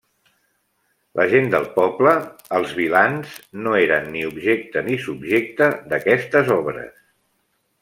La gent del poble, els vilans, no eren ni objecte ni subjecte d'aquestes obres.